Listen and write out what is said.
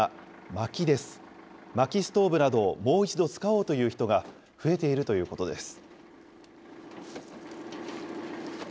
まきストーブなどをもう一度使おうという人が増えているということです。